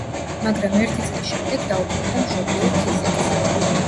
მაგრამ ერთი წლის შემდეგ დაუბრუნდა მშობლიურ ქიზიყს.